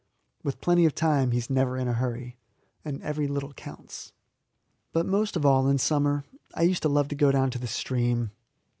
With plenty of time, he is never in a hurry, and every little counts. But most of all in summer I used to love to go down to the stream.